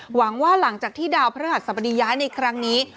หวังว่าหลังจากที่ดาวพระหัสสบดีย้ายในครั้งนี้